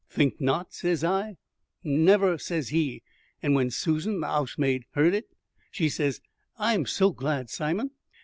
'Think not?' says I. 'Never,' says he; and when Susan the 'ousemaid heard on it, she says, 'I am so glad, Simon.'